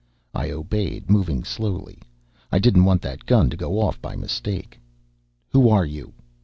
I obeyed, moving slowly. I didn't want that gun to go off by mistake. "Who are you?"